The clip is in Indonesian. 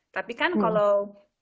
tapi kan kalau